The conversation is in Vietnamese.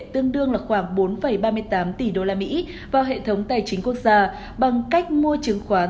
tương đương là khoảng bốn ba mươi tám tỷ usd vào hệ thống tài chính quốc gia bằng cách mua chứng khoán